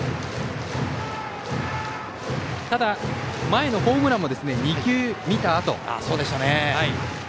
前のホームランも２球見たあと。